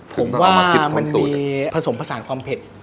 ผมว่ามันมีผสมผสานความเผ็ด